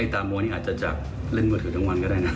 ตามมวยนี่อาจจะจากเล่นมือถือทั้งวันก็ได้นะ